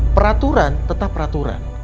peraturan tetap peraturan